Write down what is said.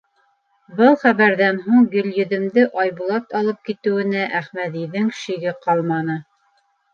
Был хәбәрҙән һуң Гөлйөҙөмдө Айбулат алып китеүенә Әхмәҙиҙең шиге ҡалманы.